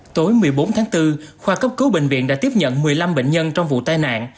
tối một mươi bốn tháng bốn khoa cấp cứu bệnh viện đã tiếp nhận một mươi năm bệnh nhân trong vụ tai nạn